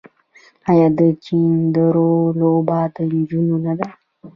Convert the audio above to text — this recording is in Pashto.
آیا د چيندرو لوبه د نجونو نه ده؟